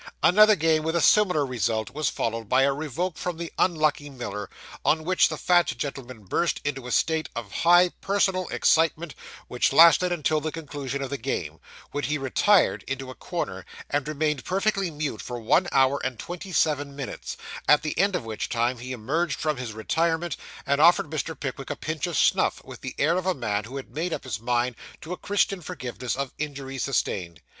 Another game, with a similar result, was followed by a revoke from the unlucky Miller; on which the fat gentleman burst into a state of high personal excitement which lasted until the conclusion of the game, when he retired into a corner, and remained perfectly mute for one hour and twenty seven minutes; at the end of which time he emerged from his retirement, and offered Mr. Pickwick a pinch of snuff with the air of a man who had made up his mind to a Christian forgiveness of injuries sustained.